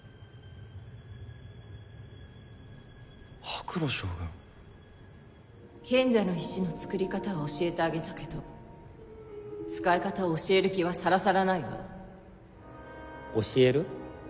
ハクロ将軍賢者の石のつくり方は教えてあげたけど使い方を教える気はさらさらないわ教える？